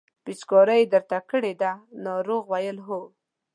پېچکاري یې درته کړې ده ناروغ وویل هو.